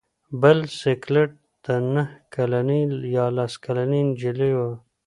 بل سکلیټ د نهه کلنې یا لس کلنې نجلۍ و.